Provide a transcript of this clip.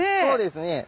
そうですね。